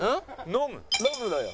飲むのよ。